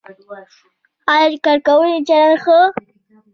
ایا کارکوونکو چلند ښه و؟